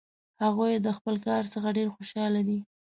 هغوی له خپل کار څخه ډېر خوشحال دي